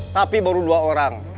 tapi baru dua orang